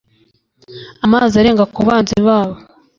amazi arenga ku banzi babo